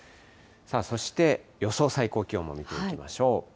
そして、予想最高気温も見ていきましょう。